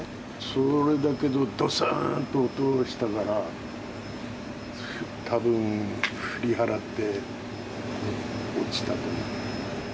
それだけど、どすんと音がしたから、たぶん振り払って落ちたと思う。